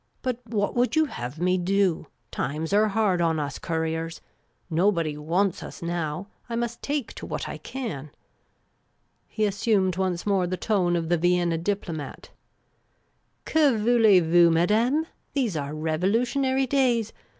But what would you have me do ? Times are hard on us couriers. Nobody wants us now. I must take to what I can." He assumed once more the tone of the Vienna diplomat. " Que voulcz voiis, madame ? These are revolutionary days.